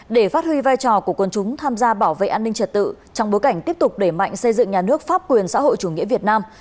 để phát huy vai trò của quân chúng tham gia bảo vệ an ninh trật tự trong bối cảnh tiếp tục đẩy mạnh xây dựng nhà nước pháp quyền xã hội chủ nghĩa việt nam